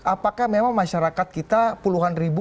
apakah memang masyarakat kita puluhan ribu